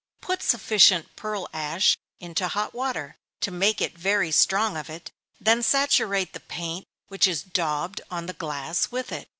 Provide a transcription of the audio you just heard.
_ Put sufficient pearl ash into hot water, to make it very strong of it; then saturate the paint which is daubed on the glass with it.